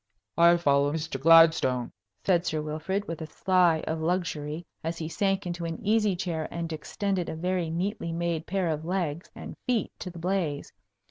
"I follow Mr. Gladstone," said Sir Wilfrid, with a sigh of luxury, as he sank into an easy chair and extended a very neatly made pair of legs and feet to the blaze.